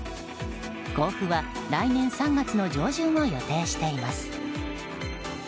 交付は来月３月の上旬を予定しています。